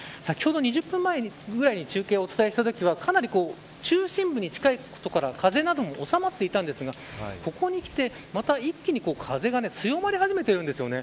先ほど２０分前ぐらいに中継をお伝えしたときはかなり、中心部に近いことから風などもおさまっていたんですがここにきて、また一気に風が強まり始めてるんです。